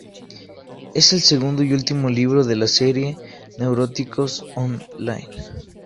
Es el segundo y último libro de la serie "Neuróticos on line".